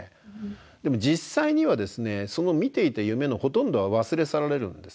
でも実際にはですねその見ていた夢のほとんどは忘れ去られるんですね。